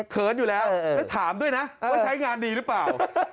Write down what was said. เขินอยู่แล้วแล้วถามด้วยนะว่าใช้งานดีหรือเปล่า